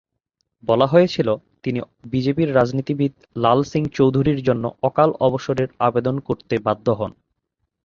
বলা হয়েছিল, তিনি বিজেপির রাজনীতিবিদ লাল সিং চৌধুরীর জন্য অকাল অবসরের আবেদন করতে বাধ্য হন।